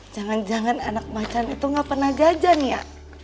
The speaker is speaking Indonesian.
jangan jangan anak macan itu gak pernah jajan ya